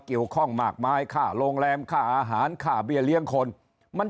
เกี่ยวข้องมากมายค่าโรงแรมค่าอาหารค่าเบี้ยเลี้ยงคนมัน